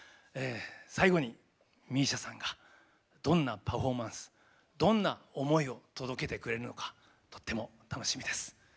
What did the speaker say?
最後にＭＩＳＩＡさんがどんなパフォーマンスどんな思いを届けてくれるのかとっても楽しみです。